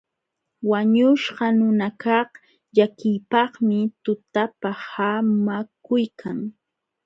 Wañuśhqa nunakaq llakiypaqmi tutapa haamakuykan.